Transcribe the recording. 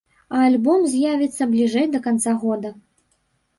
А альбом з'явіцца бліжэй да канца года.